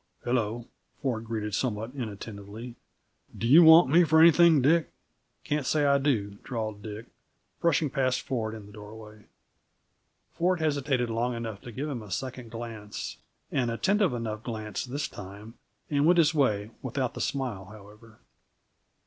"Hello," Ford greeted somewhat inattentively. "Do you want me for anything, Dick?" "Can't say I do," drawled Dick, brushing past Ford in the doorway. Ford hesitated long enough to give him a second glance an attentive enough glance this time and went his way; without the smile, however.